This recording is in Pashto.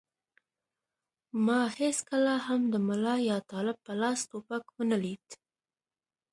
ما هېڅکله هم د ملا یا طالب په لاس ټوپک و نه لید.